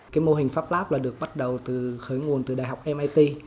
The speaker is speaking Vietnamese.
cái mô hình pháp lab là được bắt đầu khởi nguồn từ đại học mit